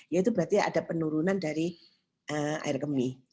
ya itu berarti ada penurunan dari air kemih